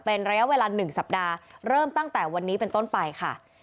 เป็นระยะเวลา๑สัปดาห์เริ่มตั้งแต่วันนี้เป็นต้นไปค่ะ